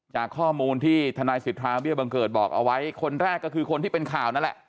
จากข้อมูลที่ทนายสิทธาเบี้ยบังเกิดบอกเอาไว้คนแรกก็คือคนที่เป็นข่าวนั่นแหละ